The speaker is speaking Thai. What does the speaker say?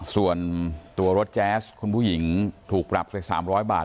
ส่วนตัวรถแจ๊สคุณผู้หญิงถูกปรับไป๓๐๐บาท